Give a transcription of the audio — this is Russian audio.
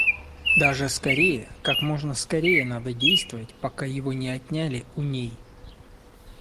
Даже скорее, как можно скорее надо действовать, пока его не отняли у ней.